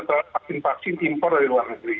terhadap vaksin vaksin impor dari luar negeri